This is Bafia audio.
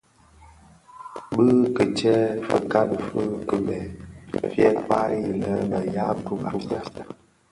Bi kitsèè fikali fi kibèè, fyè kpaghi lè bë ya Bantu (Bafia).